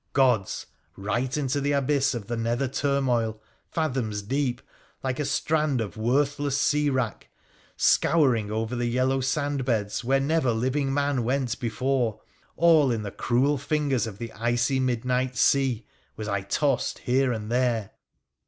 Gods ! right into the abyss 232 WONDERFUL ADVENTURES OF of the nether turmoil, fathoms deep, like a strand of worthless eea wrack, scouring over the yellow sand beds where never living man went before, all in the cruel fingers of the icy midnight sea, was I tossed here and there.